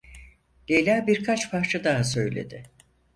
Leyla birkaç parça daha söyledi.